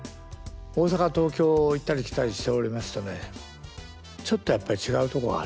大阪東京を行ったり来たりしておりますとねちょっとやっぱり違うとこがあるんですね。